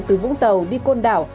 từ vũng tàu đi côn đảo